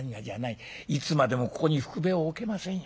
いつまでもここにふくべを置けませんよ